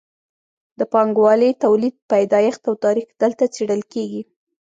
د پانګوالي تولید پیدایښت او تاریخ دلته څیړل کیږي.